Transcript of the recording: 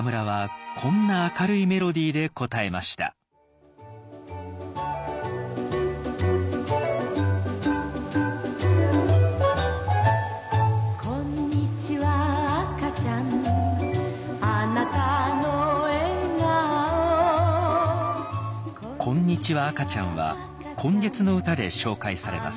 「こんにちは赤ちゃん」は「今月の歌」で紹介されます。